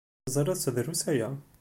Teẓriḍ-t drus aya?